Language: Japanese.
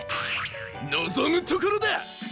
望むところだ！